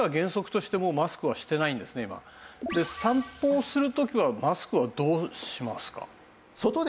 散歩をする時はマスクはどうしますか？